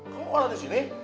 kamu kenapa disini